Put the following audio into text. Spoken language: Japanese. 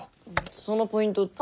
そのポイントって。